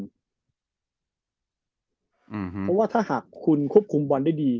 เพราะว่าถ้าหากคุณควบคุมบอลได้ดี